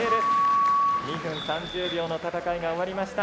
２分３０秒の戦いが終わりました。